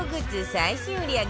最新売り上げ